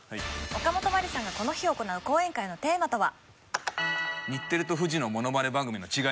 おかもとまりさんがこの日行う講演会のテーマとは？